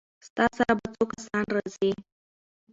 ستا سره به څو کسان راځي؟